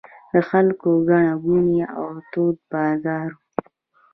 د خلکو ګڼه ګوڼې او تود بازار و.